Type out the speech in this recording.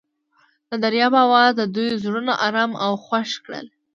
د دریاب اواز د دوی زړونه ارامه او خوښ کړل.